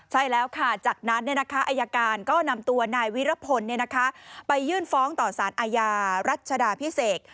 ใช่แล้วค่ะจากนั้นอายการก็นำตัวนายวิรพลไปยื่นฟ้องต่อสารอาญารัชดาพิเศษ